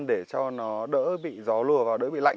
để cho nó đỡ bị gió lùa vào đỡ bị lạnh